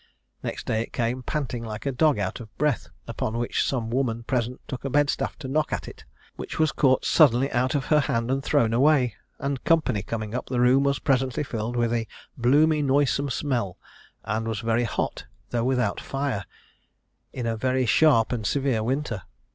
Next day it came, panting like a dog out of breath; upon which some woman present took a bed staff to knock at it, "which was caught suddenly out of her hand, and thrown away; and company coming up, the room was presently filled with a bloomy noisome smell, and was very hot, though without fire, in a very sharp and severe winter.